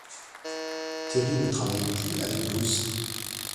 Terry ne travaille plus avec Bruce.